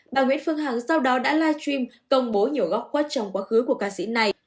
bà nguyễn phương hằng sau đó đã live stream công bố nhiều góc quất trong quá khứ của ca sĩ này